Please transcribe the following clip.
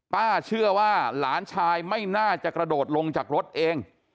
ป้าเชื่อว่าหลานชายไม่น่าจะกระโดดลงจากรถเอง